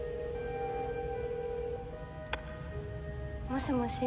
もしもし。